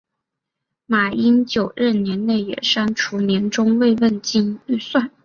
马英九任内也删除年终慰问金预算。